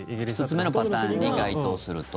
１つ目のパターンに該当すると。